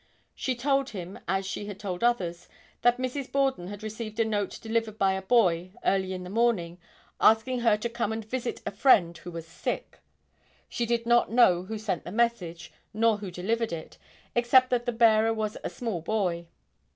She told him as she had told others, that Mrs. Borden had received a note delivered by a boy, early in the morning, asking her to come and visit a friend who was sick. She did not know who sent the message nor who delivered it, except that the bearer was a small boy.